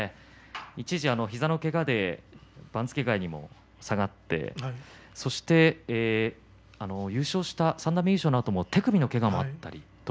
一時、膝のけがで番付外にも下がって、そして優勝した三段目優勝の時にも手首のけががありました。